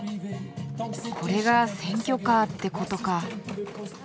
これが選挙カーってことか。